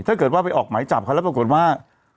ถ้าเกิดว่าไปออกหมายจับเขาแล้วปรากฏว่า